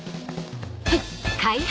はい。